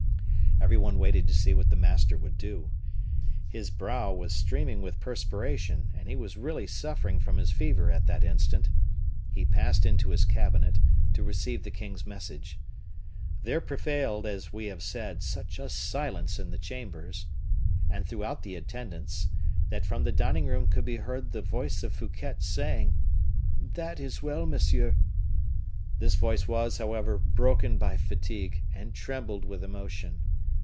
Every one waited to see what the master would do. His brow was streaming with perspiration, and he was really suffering from his fever at that instant. He passed into his cabinet, to receive the king's message. There prevailed, as we have said, such a silence in the chambers, and throughout the attendance, that from the dining room could be heard the voice of Fouquet, saying, "That is well, monsieur." This voice was, however, broken by fatigue, and trembled with emotion.